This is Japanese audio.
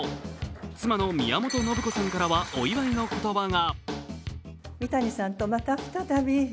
妻の宮本信子さんからはお祝いの言葉が。